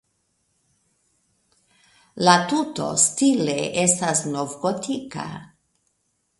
La tuto stile estas novgotika.